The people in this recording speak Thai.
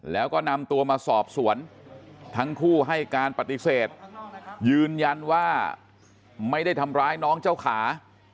แล้วก็นำตัวมาสอบสวนทั้งคู่ให้การปฏิเสธยืนยันว่าไม่ได้ทำร้ายน้องเจ้าขา